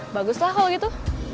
bagus lah kalau gitu